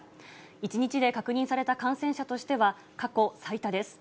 １日で確認された感染者としては、過去最多です。